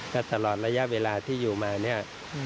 ก็ตลอดระยะเวลาที่อยู่มาเนี่ย